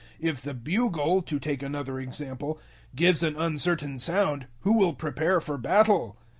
014:008 If the bugle to take another example gives an uncertain sound, who will prepare for battle?